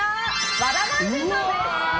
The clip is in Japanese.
和田まんじゅうさんです。